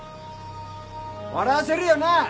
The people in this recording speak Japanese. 笑わせるよな。